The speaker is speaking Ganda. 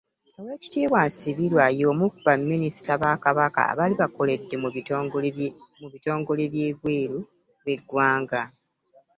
Oweekitiibwa Nsibirwa y'omu ku baminisita ba Kabaka abaali bakoleddeko mu bitongole by'ebweru w'eggwanga.